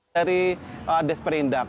dari des perindak